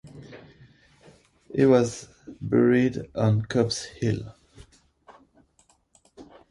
He was buried on Copp's Hill.